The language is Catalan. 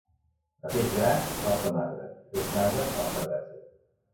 A peix gras, salsa magra; a peix magre, salsa grassa.